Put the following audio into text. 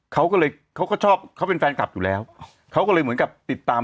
เขาก็เลยเขาก็ชอบเขาเป็นแฟนกลับอยู่แล้วเขาก็เลยเหมือนกับติดตาม